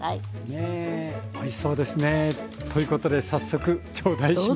ねえおいしそうですね。ということで早速頂戴します。